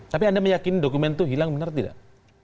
tapi anda meyakini dokumen itu hilang benar tidak